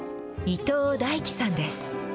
伊藤大貴さんです。